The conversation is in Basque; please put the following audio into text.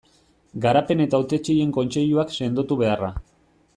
Garapen eta Hautetsien kontseiluak sendotu beharra.